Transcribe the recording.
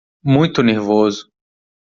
Muito nervoso